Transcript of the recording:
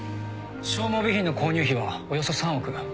消耗備品の購入費はおよそ３億。